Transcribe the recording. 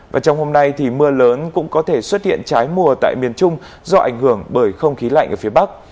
và trong hôm nay thì mưa lớn cũng có thể xuất hiện trái mùa tại miền trung do ảnh hưởng bởi không khí lạnh ở phía bắc